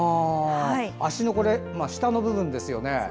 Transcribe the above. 足の下の部分ですよね。